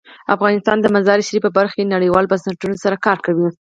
افغانستان د مزارشریف په برخه کې نړیوالو بنسټونو سره کار کوي.